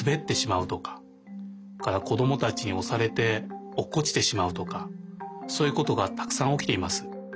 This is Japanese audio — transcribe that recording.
それからこどもたちにおされておっこちてしまうとかそういうことがたくさんおきています。